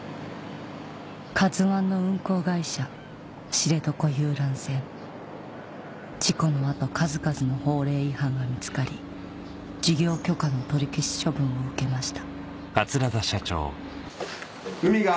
知床遊覧船事故の後数々の法令違反が見つかり事業許可の取り消し処分を受けました